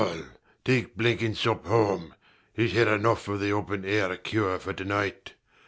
Mr Walpole: take Blenkinsop home: he's had enough of the open air cure for to night.